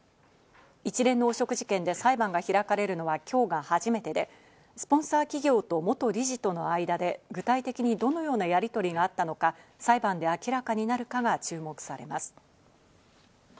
一連の汚職事件で裁判が開かれるのは今日が初めてで、スポンサー企業と元理事との間で、具体的にどのようなやりとりがあったのか、裁判で明らかになるかが注目されます。